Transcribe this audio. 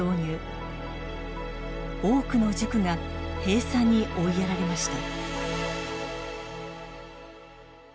多くの塾が閉鎖に追いやられました。